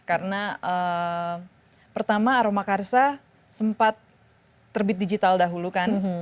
karena pertama aroma karsa sempat terbit digital dahulu kan